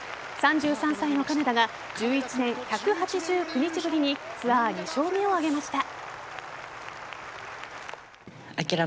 ３３歳の金田が１１年１８９日ぶりにツアー２勝目を挙げました。